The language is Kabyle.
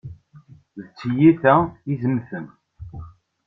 D tiyita izemten.